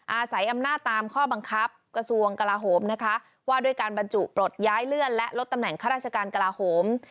อาศัยอำนาจตามข้อบังคับกระทรวงกลาโหมนะคะว่าด้วยการบรรจุปลดย้ายเลื่อนและลดตำแหน่งข้าราชการกลาโหม